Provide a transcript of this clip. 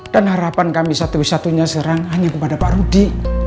harapan kami satu satunya sekarang hanya kepada pak rudi